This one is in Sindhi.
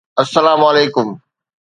السلام عليڪم